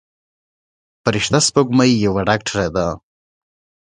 فرشته سپوږمۍ یوه ډاکتره ده.